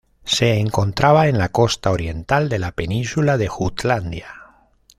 Se encontraba en la costa oriental de la Península de Jutlandia.